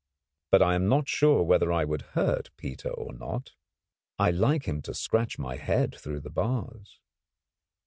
But I am not sure whether I would hurt Peter or not. I like him to scratch my head through the bars.